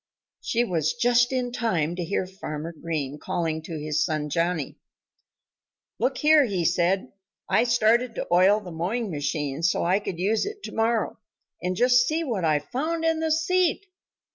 She was just in time to hear Farmer Green calling to his son Johnnie. "Look here!" said he. "I started to oil the mowing machine so I could use it to morrow; and just see what I found in the seat!"